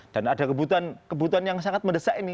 dan ada kebutuhan yang sangat mendesak ini